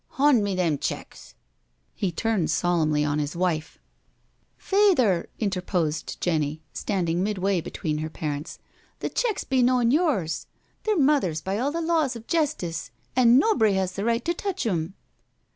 Hond me them checks.*' He turnied solemnly on his wife. C i8 NO SURRENDER '• Fayther/' interposed Jenny, standing midway be tween her parents, the checks be noan yours.. They're Mother's by all the laws of jestice, and nobry has the right to touch 'em."